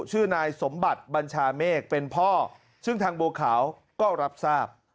ชื่อนายสมบัติบัญชาเมฆเป็นพ่อซึ่งทางบัวขาวก็รับทราบ